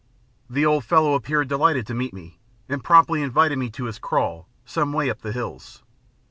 The old fellow appeared delighted to meet me, and promptly invited me to his kraal, some way up the hills.